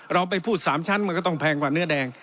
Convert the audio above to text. เราไปพูด๓ชั้นมันก็ต้องแพงกว่าเนื้อแดง